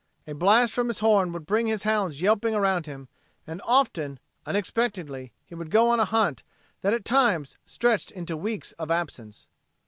A blast from his horn would bring his hounds yelping around him; and often, unexpectedly, he would go on a hunt that at times stretched into weeks of absence.